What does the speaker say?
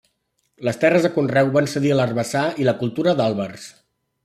Les terres de conreu van cedir a l'herbassar i la cultura d'àlbers.